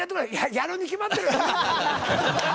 「やるに決まってやろ」。